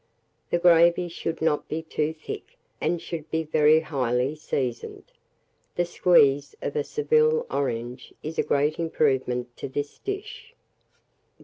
The gravy should not be too thick, and should be very highly seasoned. The squeeze of a Seville orange is a great improvement to this dish.